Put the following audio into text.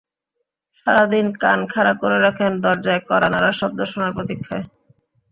সারা দিন কান খাড়া করে রাখেন দরজায় কড়া নাড়ার শব্দ শোনার প্রতীক্ষায়।